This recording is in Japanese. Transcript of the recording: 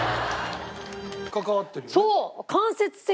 関わってるよね。